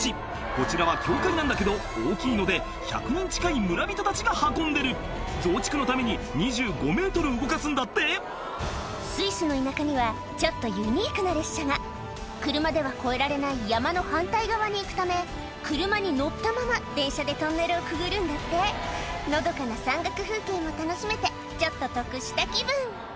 こちらは教会なんだけど大きいので１００人近い村人たちが運んでる増築のために２５ｍ動かすんだってスイスの田舎にはちょっとユニークな列車が車では越えられない山の反対側に行くため車に乗ったまま電車でトンネルをくぐるんだってのどかな山岳風景も楽しめてちょっと得した気分